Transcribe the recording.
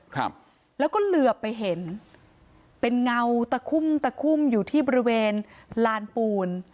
ครับแล้วก็เหลือไปเห็นเป็นเงาตะคุ่มตะคุ่มอยู่ที่บริเวณลานปูน